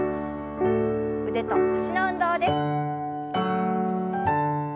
腕と脚の運動です。